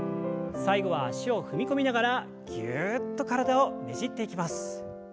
最後は脚を踏み込みながらギュっと体をねじっていきます。